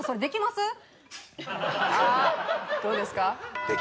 どうですか？